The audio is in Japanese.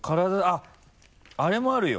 あっあれもあるよ。